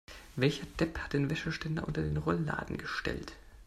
Welcher Depp hat den Wäscheständer unter den Rollladen gestellt?